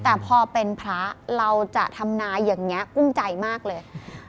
แต่พอเป็นพระเราจะทำนายอย่างนี้กุ้มใจมากเลย